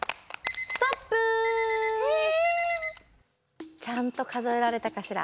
ストップ！ちゃんとかぞえられたかしら？